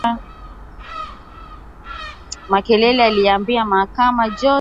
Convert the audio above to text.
kwenye eneo la Djubu waliuawa hapo Februari mosi mwendesha mashtaka wa kijeshi Joseph Makelele aliiambia mahakama